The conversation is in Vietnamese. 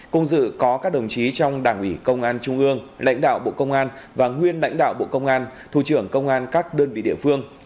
cùng dự có các đồng chí trong đảng ủy công an trung ương lãnh đạo bộ công an và nguyên lãnh đạo bộ công an thủ trưởng công an các đơn vị địa phương